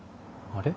あれ？